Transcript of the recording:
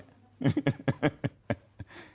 หัวเหรอเปล่า